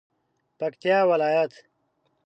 پکتیا ولایت